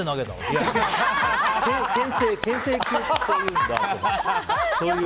いや、牽制球っていう。